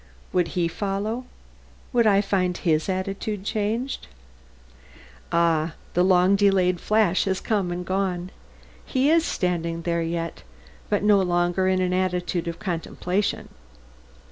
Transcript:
Would his follow? Would I find his attitude changed? Ah! the long delayed flash has come and gone. He is standing there yet, but no longer in an attitude of contemplation.